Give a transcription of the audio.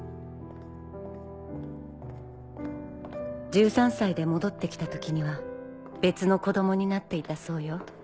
１３歳で戻って来た時には別の子供になっていたそうよ。